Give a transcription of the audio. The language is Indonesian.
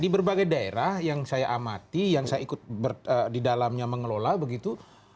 di berbagai daerah yang saya amati yang saya ikut di dalamnya mengelola begitu